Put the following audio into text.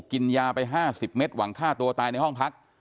กินยาไป๕๐เมตรหวังฆ่าตัวตายในห้องพัก